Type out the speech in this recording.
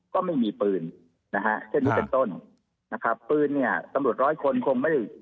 ก็ไม่มีปืนนะฮะเช่นนี้เป็นต้นนะครับปืนเนี่ยตำรวจร้อยคนคงไม่ได้